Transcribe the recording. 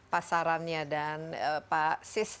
pasarannya dan pak sis